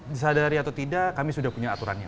disadari atau tidak kami sudah punya aturannya